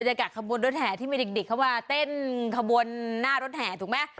บรรยากาศขบวนรถแห่ที่มีดิกเขาว่าเต้นขบวนหน้ารถแห่ถูกมั้ย